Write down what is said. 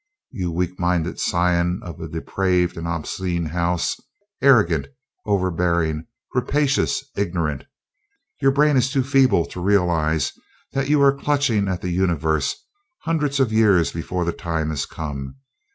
You weak minded scion of a depraved and obscene house arrogant, overbearing, rapacious, ignorant your brain is too feeble to realize that you are clutching at the Universe hundreds of years before the time has come.